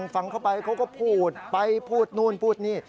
ฟังเข้าไปเขาก็พูดไปพูดนู่นพูดนี่